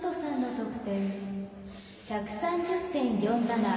得点、１３０．４７。